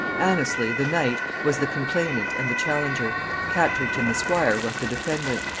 Anneslie, the knight, was the complainant and the challenger. Katrington, the squire, was the defendant.